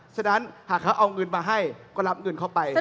ฉะนั้นหากเขาเอาเงินมาให้ก็รับเงินเข้าไป